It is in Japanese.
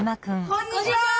あこんにちは。